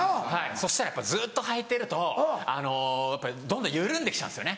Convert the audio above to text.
そしたらやっぱずっとはいてるとやっぱりどんどん緩んで来ちゃうんですよね。